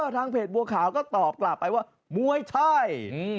ทางเพจบัวขาวก็ตอบกลับไปว่ามวยใช่